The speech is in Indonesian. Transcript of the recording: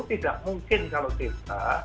tidak mungkin kalau kita